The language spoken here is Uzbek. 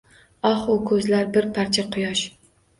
Oh, u ko’zlar bir parcha quyosh.